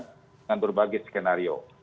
dengan berbagai skenario